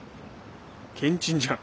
けんちんじゃん。